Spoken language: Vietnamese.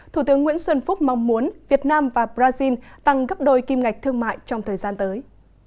thủ tướng nguyễn xuân phúc mong muốn việt nam và brazil tăng gấp đôi kim ngạch thương mại trong thời gian tới